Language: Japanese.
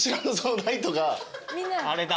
あれだ。